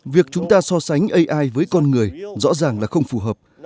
việc chúng ta so sánh ai với con người rõ ràng là không phù hợp